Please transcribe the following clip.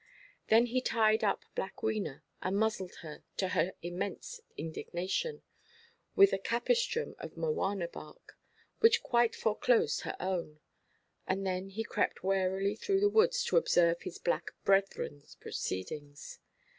Then he tied up black Wena, and muzzled her, to her immense indignation, with a capistrum of mowana bark, which quite foreclosed her own, and then he crept warily through the woods to observe his black brethrenʼs proceedings.